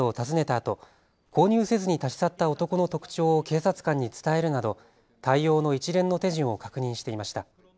あと購入せずに立ち去った男の特徴を警察官に伝えるなど対応の一連の手順を確認していました。